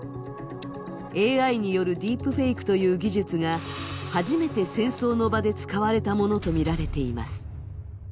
ＡＩによるディープフェイクという技術が初めて戦争の場で使われたものとみられています。